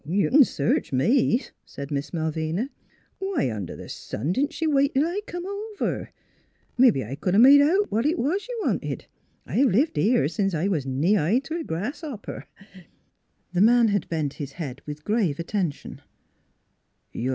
"" You c'n search me," said Miss Malvina. " Why under th' sun didn't she wait till I come over? Mebbe I c'd 'a' made out what 't was you wanted; I've lived here sence I was knee high t' a grasshopper." The man had bent his head with grave atten tion.